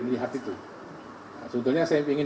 melihat itu sebetulnya saya ingin